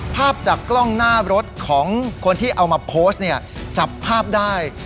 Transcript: ภาพจากกล้องหน้ารถของคนที่เอามาโพสต์เนี่ยจับภาพได้